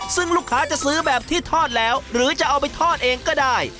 ซึ่งลูกค้าจะซื้อแบบที่ทอดแล้วหรือจะเอาไปทอดเองก็ได้